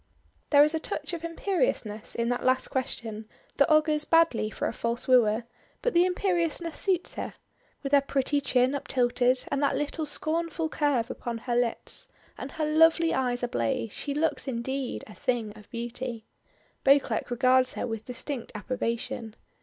There is a touch of imperiousness in that last question that augurs badly for a false wooer; but the imperiousness suits her. With her pretty chin uptilted, and that little scornful curve upon her lips, and her lovely eyes ablaze, she looks indeed "a thing of beauty." Beauclerk regards her with distinct approbation.